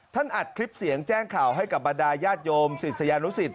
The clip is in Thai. อัดคลิปเสียงแจ้งข่าวให้กับบรรดาญาติโยมศิษยานุสิต